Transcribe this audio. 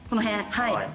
はい。